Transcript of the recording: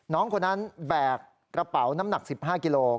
น้องคนนั้นแบกกระเป๋าน้ำหนัก๑๕กิโล